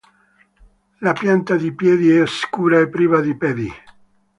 La pianta dei piedi è scura e priva di peli.